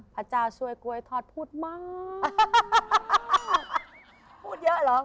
พระเจ้าช่วยกล้วยทอดพูดมาก